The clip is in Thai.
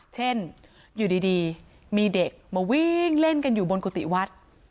เช่นอยู่ดีมีเด็กมาวิ่งเล่นกันอยู่บนกุฏิวัด